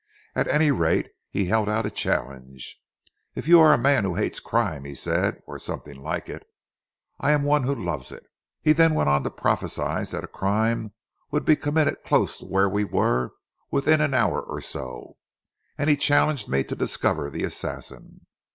At any rate, he held out a challenge. 'If you are a man who hates crime,' he said, or something like it, 'I am one who loves it.' He then went on to prophesy that a crime would be committed close to where we were, within an hour or so, and he challenged me to discover the assassin.